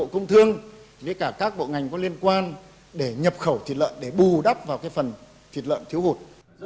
công thương với cả các bộ ngành có liên quan để nhập khẩu thịt lợn để bù đắp vào cái phần thịt lợn thiếu vụt